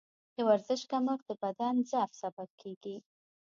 د ورزش کمښت د بدن ضعف سبب کېږي.